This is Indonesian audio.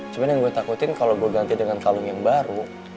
cuma yang gue takutin kalau gue ganti dengan kalung yang baru